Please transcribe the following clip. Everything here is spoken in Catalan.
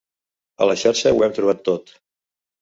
A la xarxa ho hem trobat tot.